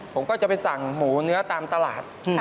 ผมก็จะไปสั่งหมูเนื้อตามตลาด